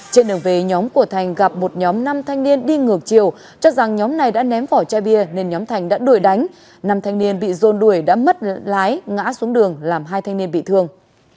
trên đường về nhóm của thành gặp một nhóm năm thanh niên đi ngược chiều chắc rằng nhóm này đã ném vỏ chai bia nên nhóm thành đã đuổi đánh năm thanh niên bị rôn đuổi đã mất lái ngã xuống đường làm hai thanh niên bị thương